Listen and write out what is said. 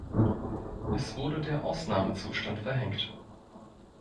Es wurde der Ausnahmezustand verhängt.